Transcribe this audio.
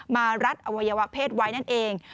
รัดอวัยวะเพศไว้นั่นเอง